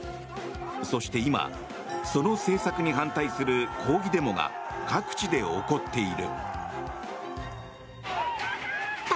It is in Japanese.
そして今その政策に反対する抗議デモが各地で起こっている。